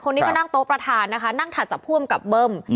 คนนี้ก็นั่งโต๊ะประธานนะคะนั่งถัดจากผู้อำกับเบิ้ม